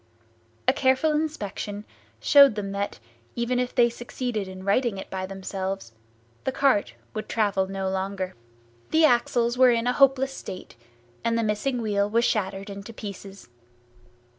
A careful inspection showed them that, even if they succeeded in righting it by themselves, the cart would travel no longer. The axles were in a hopeless state, and the missing wheel was shattered into pieces.